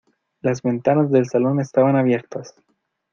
Las ventanas del salón estaban abiertas.